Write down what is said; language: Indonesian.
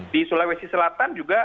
di sulawesi selatan juga